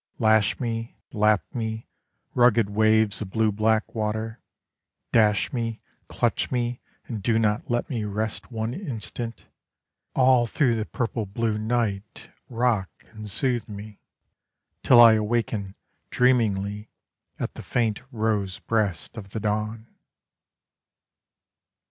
Lash me, lap me, rugged waves of blue black water, Dash me, clutch me and do not let me rest one instant; All through the purple blue night rock and soothe me, Till I awaken dreamingly at the faint rose breast of the dawn.